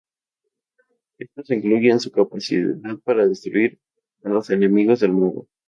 Esto se incluye en su capacidad para destruir a los enemigos del mago.